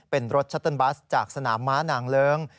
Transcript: เป็นรถชัตเติลบัสจากสนามม้านางเลิ้ง